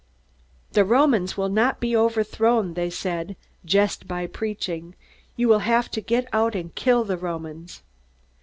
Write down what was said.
"The Romans will not be overthrown," they said, "just by preaching. You will have to get out and kill the Romans."